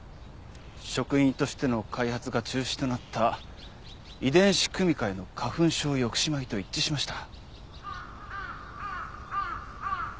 食品としての開発が中止となった遺伝子組み換えの花粉症抑止米と一致しました。